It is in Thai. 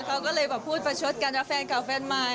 เขาก็เลยแบบพูดประชดกันนะแฟนเก่าแฟนใหม่